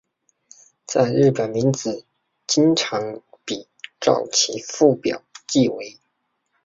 在日本名字经常比照其父表记为。